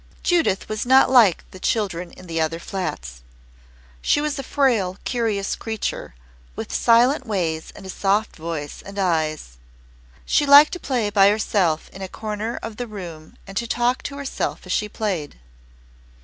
Judith was not like the children in the other flats. She was a frail, curious creature, with silent ways and a soft voice and eyes. She liked to play by herself in a corner of the room and to talk to herself as she played.